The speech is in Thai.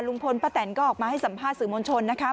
ลุงพลป้าแตนก็ออกมาให้สัมภาษณ์สื่อมวลชนนะคะ